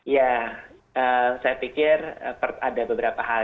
ya saya pikir ada beberapa hal